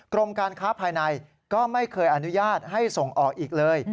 กรมการค้าภายในก็ไม่เคยอนุญาตให้ส่งออกอีกเลย